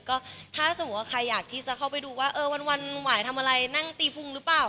ก็ถ้าสมมุติว่าใครอยากที่จะเข้าไปดูว่าเออวันหวายทำอะไรนั่งตีพุงหรือเปล่า